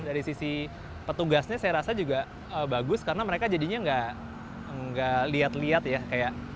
dari sisi petugasnya saya rasa juga bagus karena mereka jadinya nggak lihat lihat ya kayak